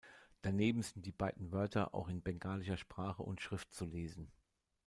Daneben sind die beiden Wörter auch in bengalischer Sprache und Schrift zu lesen.